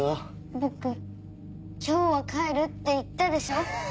僕今日は帰るって言ったでしょ。